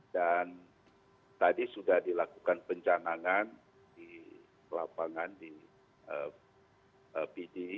dan tadi sudah dilakukan penjanganan di pelabangan di pdi